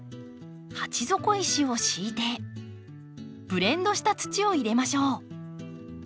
鉢底石を敷いてブレンドした土を入れましょう。